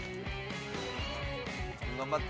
頑張って。